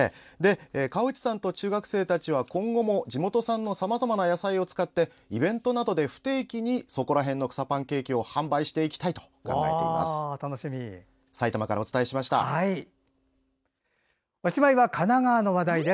河内さんと中学生たちは今後も地元産のさまざまな野菜を使ってイベントなどで不定期に「そこらへんの草パンケーキ」を販売していきたいと考えています。